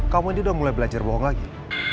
kamu ini udah mulai belajar bohong lagi